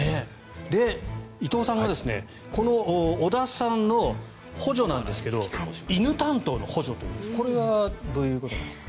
で、伊藤さんはこの織田さんの補助なんですけど犬担当の補助ということでこれはどういうことですか？